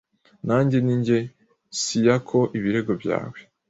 Nanjye Ninjye Ciacco ibirego byawe